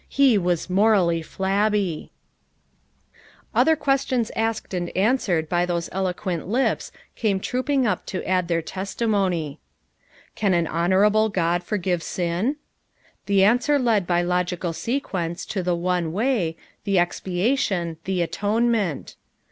Ho was "morally flabby." 358 FOUR MOTHERS AT CHAUTAUQUA Other questions asked and answered by those eloquent lips came trooping up to add their tes timony. "Can an honorable God forgive sin?" The answer led by logical sequence to the one way, the expiation, the atonement.